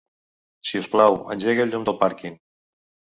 Si us plau, engega el llum del pàrquing.